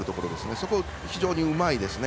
そこ、非常にうまいですね。